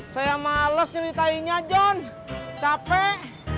saya males ceritainya jon capek